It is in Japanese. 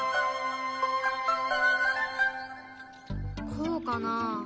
こうかなあ？